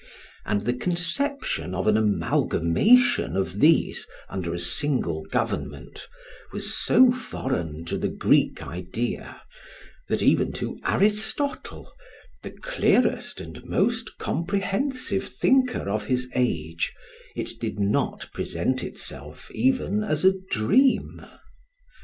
And the conception of an amalgamation of these under a single government was so foreign to the Greek idea, that even to Aristotle, the clearest and most comprehensive thinker of his age, it did not present itself even as a dream.